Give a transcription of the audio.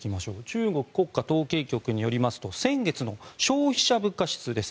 中国国家統計局によりますと先月の消費者物価指数です。